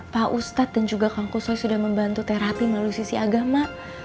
pak ustadz dan juga kang kuswo sudah membantu terapi melalui sisi agama